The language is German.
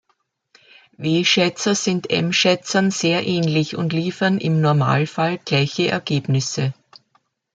W-Schätzer sind M-Schätzern sehr ähnlich und liefern im Normalfall gleiche Ergebnisse.